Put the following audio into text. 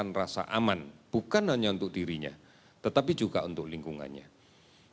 ini adalah upaya yang dibangun oleh komunitas untuk bersama sama menyadari